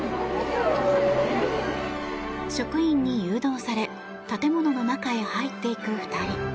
職員に誘導され建物の中へ入っていく２人。